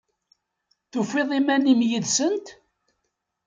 Tufiḍ iman-im yid-sent?